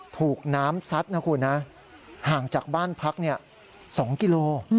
ถูกน้ำซัดนะคุณนะห่างจากบ้านพัก๒กิโล